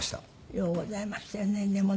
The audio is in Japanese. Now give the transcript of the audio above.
ようございましたよねでもね。